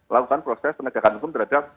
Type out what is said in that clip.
lakukan proses penegakan hukum terhadap